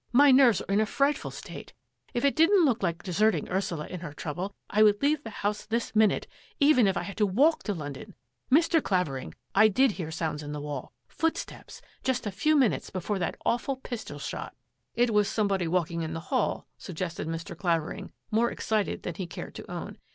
My nerves are in a frightful state. If it didn't look like deserting Ursula in her trouble, I would leave the house this minute, even if I had to walk to London. Mr. Clavering, I did hear sounds in the wall — footsteps — just a few minutes before that awful pistol shot." " It was somebody walking in the hall," sug gested Mr. Clavering, more excited than he cared to own.